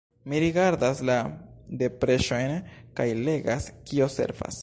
Mi rigardas la depeŝojn kaj legas, kio sekvas.